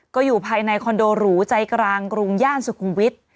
ก็อยู่ภายในคอนโดหรูใจกลางกรุงย่านสุขุมวิทย์